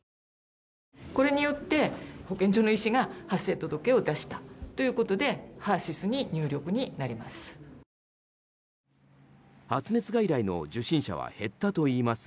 これによって、保健所の医師が発生届を出したということでＨＥＲ‐ＳＹＳに入力されることになります。